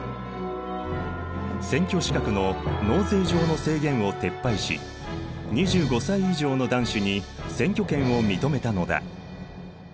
選挙資格の納税上の制限を撤廃し２５歳以上の男子に選挙権を認めたのだ。